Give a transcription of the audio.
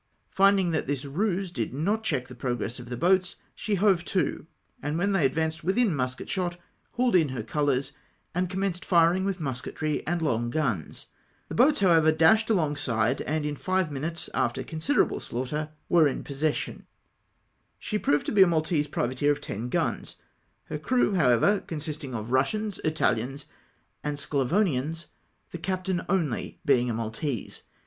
FindinQ that this ruse did not check the progress of the boats, she hove to, and when they had advanced within musket shot, hauled in her colours and commenced firing with musketry and long guns ; the boats, however, dashed alongside, arid in five minutes, after considerable slaughter, were in possession. ENGAGEMENT WITH THE KING GEORGE. 235 She proved to be a Maltese privateer of 10 guns ; lier crew, however, consistmg of Eussians, Itahans, and Sclavonians, the captain only being a Maltese.